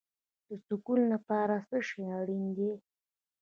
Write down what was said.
د سکون لپاره څه شی اړین دی؟